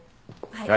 はい。